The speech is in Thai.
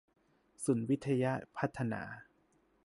ศูนย์วิทยพัฒนา